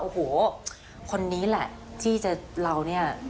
โอ้โหคนนี้แหละที่จะเราเนี่ย